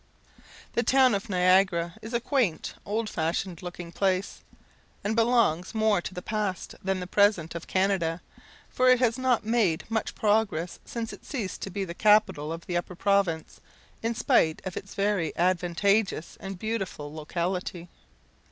The town of Niagara is a quaint, old fashioned looking place, and belongs more to the past than the present of Canada; for it has not made much progress since it ceased to be the capital of the Upper Province, in spite of its very advantageous and beautiful locality.